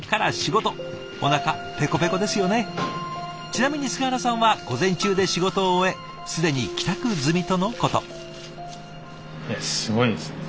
ちなみに菅原さんは午前中で仕事を終え既に帰宅済みとのこと。